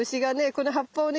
この葉っぱをね